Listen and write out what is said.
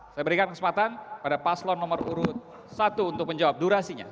saya berikan kesempatan pada paslon nomor urut satu untuk menjawab durasinya